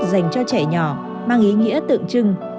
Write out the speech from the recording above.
dành cho trẻ nhỏ mang ý nghĩa tượng trưng